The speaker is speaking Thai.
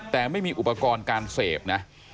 แต่ไม่มีอุปกรณ์การเสพนะ